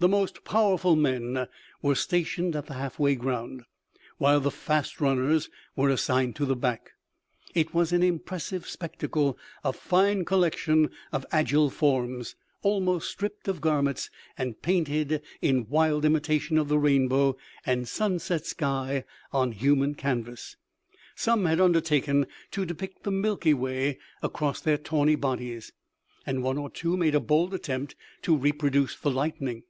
The most powerful men were stationed at the half way ground, while the fast runners were assigned to the back. It was an impressive spectacle a fine collection of agile forms, almost stripped of garments and painted in wild imitation of the rainbow and sunset sky on human canvas. Some had undertaken to depict the Milky Way across their tawny bodies, and one or two made a bold attempt to reproduce the lightning.